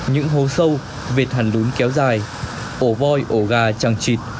những hố sâu vệt hẳn lún kéo dài ổ voi ổ gà trăng trịt